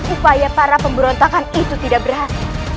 upaya para pemberontakan itu tidak berhasil